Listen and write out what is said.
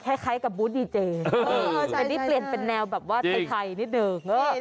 เอ้อคล้ายกับบู้ดดีเจแต่ตัวนี้เปลี่ยนเป็นแนวแบบไทยนิดหนึ่ง